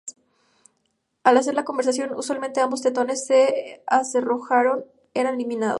Al hacer la conversión, usualmente ambos tetones de acerrojado eran eliminados.